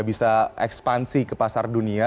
bisa ekspansi ke pasar dunia